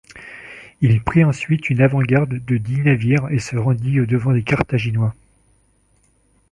Il prit ensuite une avant-garde de dix navires et se rendit au-devant des Carthaginois.